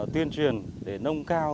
tuyên truyền để nông cao